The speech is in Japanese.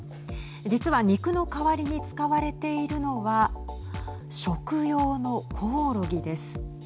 実は肉の代わりに使われているのは食用のこおろぎです。